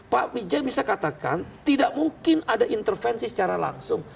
pak wijaya bisa katakan tidak mungkin ada intervensi secara langsung